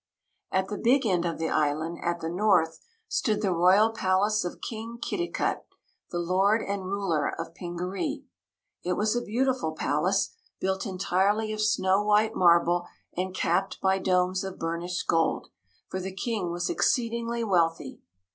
At the big end of the island, at the north, stood the royal palace of King Kitticut, the lord and ruler of Pingaree. It was a beautiful palace, built entirely of snow white marble and capped by domes of burnished gold, for the King was exceedingly wealthy.